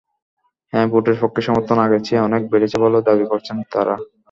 হ্যাঁ ভোটের পক্ষে সমর্থন আগের চেয়ে অনেক বেড়েছে বলেও দাবি করছেন তাঁরা।